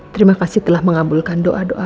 terima kasih telah mengabulkan doa doa